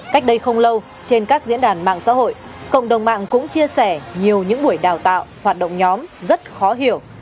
cách đây không lâu trên các diễn đàn mạng xã hội cộng đồng mạng cũng chia sẻ nhiều những buổi đào tạo hoạt động nhóm rất khó hiểu